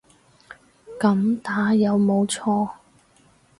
噉打有冇錯